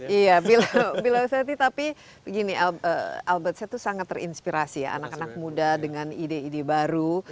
iya below tiga puluh tapi albert saya sangat terinspirasi anak anak muda dengan ide ide baru